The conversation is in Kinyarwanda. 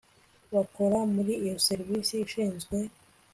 bakora muri iyo serivisi ishinzwe